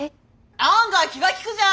案外気が利くじゃん！